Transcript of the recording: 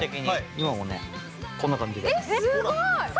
今もこんな感じで。